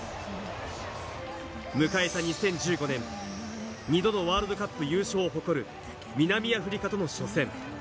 迎えた２０１５年、２度のワールドカップ優勝を誇る、南アフリカとの初戦。